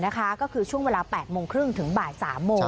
ก็คือช่วงเวลา๘โมงครึ่งถึงบ่าย๓โมง